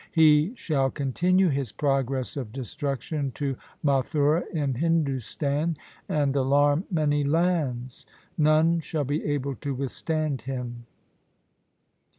He shall continue his progress of destruction to Mathura in Hindustan, and alarm many lands. None shall be able to withstand him.